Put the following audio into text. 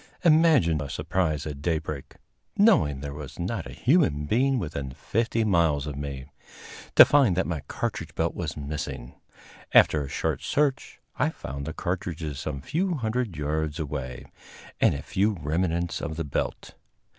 Imagine my surprise at daybreak knowing there was not a human being within fifty miles of me to find that my cartridge belt was missing. After a short search I found the cartridges some few hundred yards away, and a few remnants of the belt.